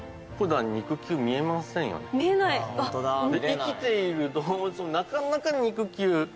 生きている動物もなかなか肉球。